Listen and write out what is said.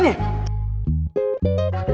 tidak ada apa apa